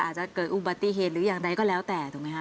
อาจจะเกิดอุบัติเห็นหรือยังใดก็แล้วแต่ถูกมั้ยคะ